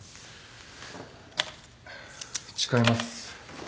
誓います。